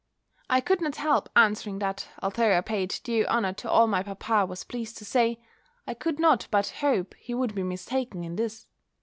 I could not help answering that, although I paid due honour to all my papa was pleased to say, I could not but hope he would be mistaken in this.